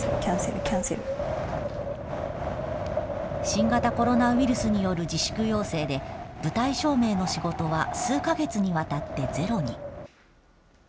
新型コロナウイルスによる自粛要請で、舞台照明の仕事は数か月にわたってゼロに。